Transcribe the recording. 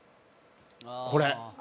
これ！